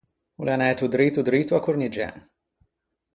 O l’é anæto drito drito à Corniggen.